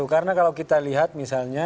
karena kalau kita lihat misalnya